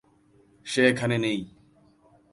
সে এখানে নেই।